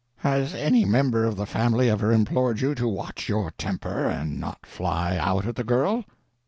Has any member of the family ever implored you to watch your temper and not fly out at the girl?